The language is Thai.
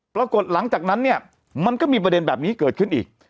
ปรากฏหลังจากนั้นเนี่ยมันก็มีประเด็นแบบนี้เกิดขึ้นอีก